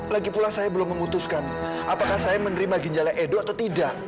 lagi pula saya belum memutuskan apakah saya menerima ginjalnya edo atau tidak